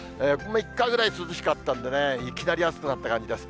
３日ぐらい涼しかったんでね、いきなり暑くなった感じです。